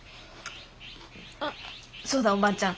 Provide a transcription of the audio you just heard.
んそうだおばあちゃん。